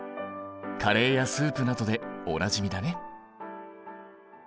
カレーやスープなどでおなじみだね。